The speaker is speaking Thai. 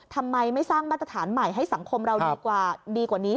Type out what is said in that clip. ทำไมไม่สร้างมาตรฐานใหม่ให้สังคมเราดีกว่านี้